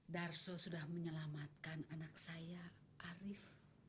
darso sudah menyelamatkan anak saya arief